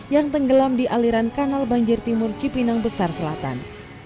yang tenggelam di aliran kanal banjir timur cipinang besar selatan